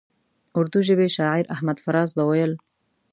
اردو ژبي شاعر احمد فراز به ویل.